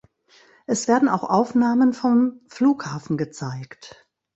Es werden auch Aufnahmen vom Flughafen gezeigt.